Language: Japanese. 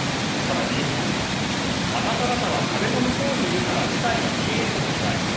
更に、あなた方は壁の向こうにいるから事態が見えていない。